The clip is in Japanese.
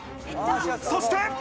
そして。